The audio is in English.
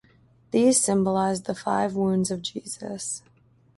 These symbolised the five wounds of Jesus.